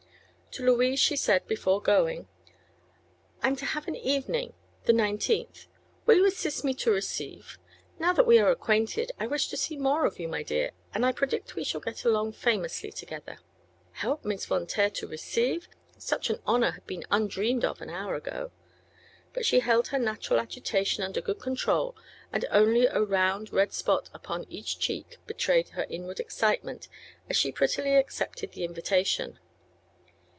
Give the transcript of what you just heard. To Louise she said, before going: "I'm to have an evening, the nineteenth. Will you assist me to receive? Now that we are acquainted I wish to see more of you, my dear, and I predict we shall get along famously together." The girl's head swam. Help Miss Von Taer to receive! Such an honor had been undreamed of an hour ago. But she held her natural agitation under good control and only a round red spot Upon each cheek betrayed her inward excitement as she prettily accepted the invitation.